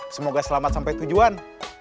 semoga selamat sampai tujuan